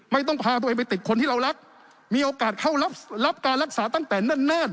ไม่ต้องพาตัวเองไปติดคนที่เรารักมีโอกาสเข้ารับการรักษาตั้งแต่เนิ่น